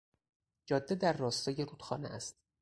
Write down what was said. جاده در راستای رودخانه است.